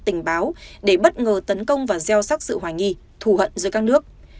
tình báo để bất ngờ tấn công và gieo sắc sự hoài nghi thù hận giữa các nước